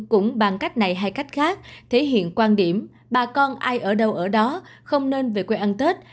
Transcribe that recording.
cũng bằng cách này hay cách khác thể hiện quan điểm bà con ai ở đâu ở đó không nên về quê ăn tết